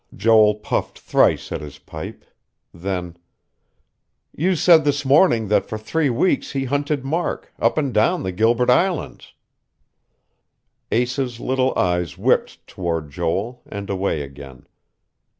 Joel puffed thrice at his pipe. Then: "You said this morning that for three weeks he hunted Mark, up and down the Gilbert Islands." Asa's little eyes whipped toward Joel, and away again.